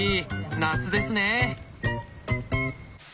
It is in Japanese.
夏ですね。